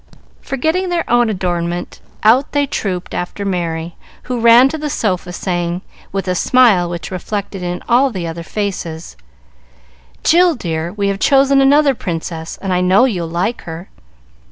Forgetting their own adornment, out they trooped after Merry, who ran to the sofa, saying, with a smile which was reflected in all the other faces, "Jill, dear, we have chosen another Princess, and I know you'll like her."